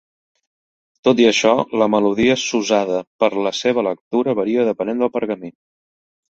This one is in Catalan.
Tot i això, la melodia s"usada per la seva lectura varia depenent del pergamí.